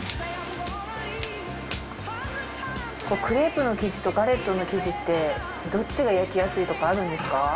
クレープの生地とガレットの生地ってどっちが焼きやすいとかあるんですか？